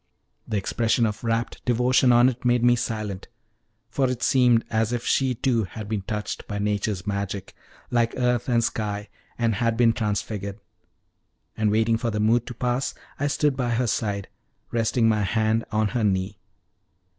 The expression of rapt devotion on it made me silent, for it seemed as if she too had been touched by nature's magic, like earth and sky, and been transfigured; and waiting for the mood to pass, I stood by her side, resting my hand on her knee.